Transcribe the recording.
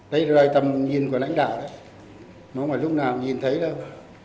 đây là lời tầm nhìn của lãnh đạo đấy nó không phải lúc nào nhìn thấy đâu